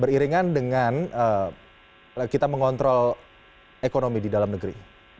beriringan atau penyelesaian dengan beriringan dengan kita mengontrol ekonomi di dalam negeri